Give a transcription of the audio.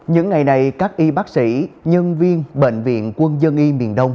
những ngày này các y bác sĩ nhân viên bệnh viện quân dân y miền đông